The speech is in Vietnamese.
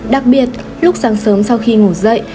đặc biệt lúc sáng sớm sau khi ngủ dậy